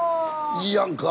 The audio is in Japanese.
いいやんか。